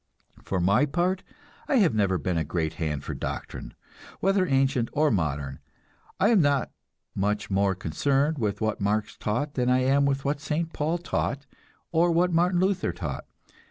For my part, I have never been a great hand for doctrine, whether ancient or modern; I am not much more concerned with what Marx taught than I am with what St. Paul taught, or what Martin Luther taught.